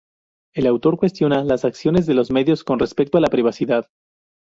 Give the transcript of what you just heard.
El autor cuestiona las acciones de los medios con respecto a la privacidad.